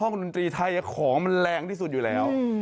บนดนตรีไทยของมันแรงที่สุดอยู่แล้ว